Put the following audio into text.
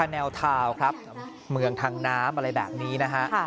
แนวทาวน์ครับเมืองทางน้ำอะไรแบบนี้นะฮะ